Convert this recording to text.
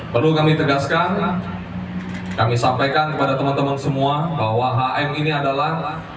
perlu kami tegaskan kami sampaikan kepada teman teman semua bahwa hm ini adalah